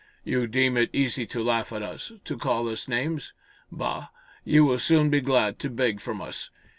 You deem it easy to laugh at us to call us names! Bah! You will soon be glad to beg from us!